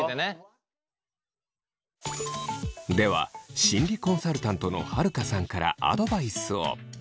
では心理コンサルタントの晴香さんからアドバイスを。